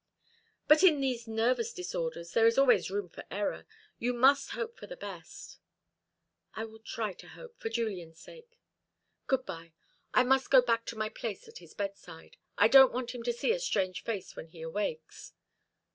"But in these nervous disorders there is always room for error. You must hope for the best." "I will try to hope, for Julian's sake. Goodbye. I must go back to my place at his bedside. I don't want him to see a strange face when he awakes."